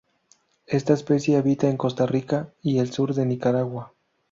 Esta especie habita en Costa Rica y el sur de Nicaragua.